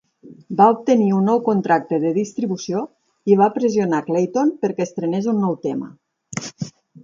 va obtenir un nou contracte de distribució i va pressionar Klayton perquè estrenés un nou tema.